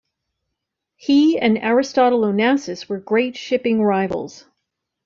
He and Aristotle Onassis were great shipping rivals.